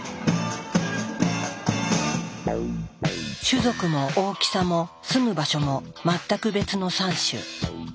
種族も大きさも住む場所も全く別の３種。